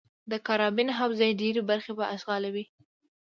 د کارابین حوزې ډېرې برخې به اشغالوي.